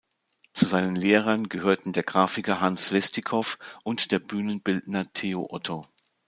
Zu seinen Lehrern gehörten der Graphiker Hans Leistikow und der Bühnenbildner Teo Otto.